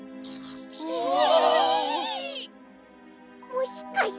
もしかして。